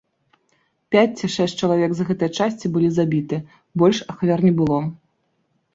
Пяць ці шэсць чалавек з гэтай часці былі забіты, больш ахвяр не было.